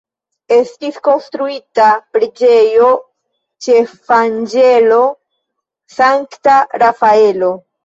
Estis konstruita preĝejo ĉefanĝelo Sankta Rafaelo.